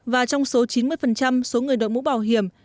và trong số chín mươi số người đội mũ bảo hiểm